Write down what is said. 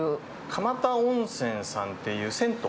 蒲田温泉さんっていう、銭湯。